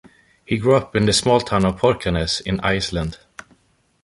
He grew up in the small town of Borgarnes in Iceland.